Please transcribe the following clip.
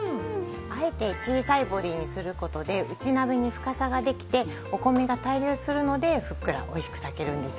あえて小さいボディーにする事で内鍋に深さができてお米が対流するのでふっくら美味しく炊けるんですよ。